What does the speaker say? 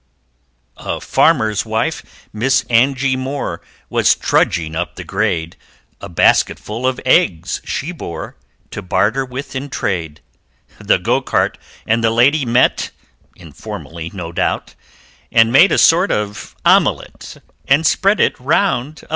A farmer's wife, Miss' Angy Moore, Was trudging up the grade. A basketful of eggs she bore To barter with in trade The Go cart and the Lady met (Informally, no doubt) And made a sort of omelette And spread it round about!